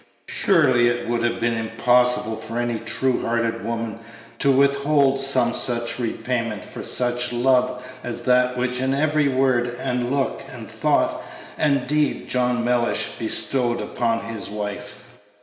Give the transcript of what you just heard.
Surely it would have been impossible for any true hearted woman to withhold some such repayment for such love as that which in every word, and look, and thought, and deed John Mellish bestowed upon his wife.